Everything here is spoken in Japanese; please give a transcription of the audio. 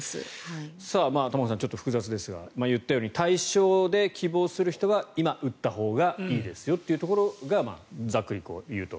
玉川さん、ちょっと複雑ですが言ったように対象で希望する人は今、打ったほうがいいですよというのがざっくり言うと。